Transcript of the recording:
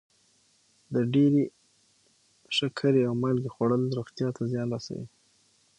د ډېرې شکرې او مالګې خوړل روغتیا ته زیان رسوي.